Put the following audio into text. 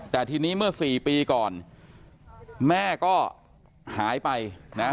แต่ทีนี้เมื่อสี่ปีก่อนแม่ก็หายไปนะ